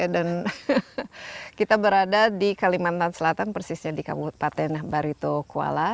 dan kita berada di kalimantan selatan persisnya di kabupaten barito kuala